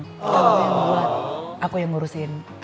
kalau yang buat aku yang ngurusin